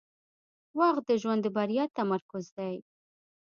• وخت د ژوند د بریا تمرکز دی.